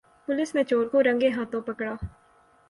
police نے چور کو رنگے ہاتھوں پکڑا